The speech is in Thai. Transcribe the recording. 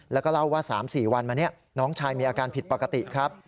แล้วก็เล่าว่า๓๔วันมานี้น้องชายมีอาการผิดปกติครับ